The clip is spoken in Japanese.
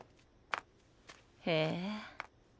へえ。